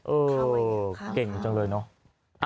เอ่อเก่งจังเลยเนอะ